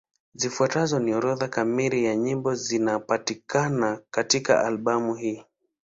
Zifuatazo ni orodha kamili ya nyimbo zinapatikana katika albamu hii.